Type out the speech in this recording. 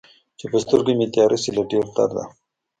چې په سترګو مې تياره شي له ډېر درده